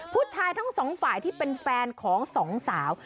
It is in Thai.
ผู้ชายทั้งสองฝ่ายที่เป็นแฟนของสองสาว